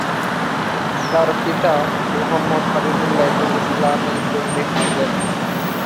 তার পিতা মুহাম্মদ হাবিবুল্লাহ একজন ইসলামি পণ্ডিত ছিলেন।